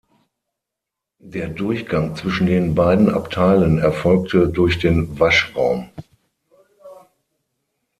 Der Durchgang zwischen den beiden Abteilen erfolgte durch den Waschraum.